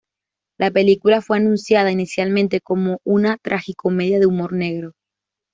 La película fue anunciada inicialmente como una tragicomedia de humor negro.